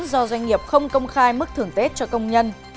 do doanh nghiệp không công khai mức thưởng tết cho công nhân